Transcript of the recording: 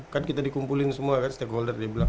kan kita dikumpulin semua kan stakeholder